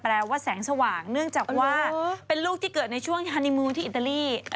แปลว่าแสงสว่างเนื่องจากว่าเป็นลูกที่เกิดในช่วงฮานิมูลที่อิตาลี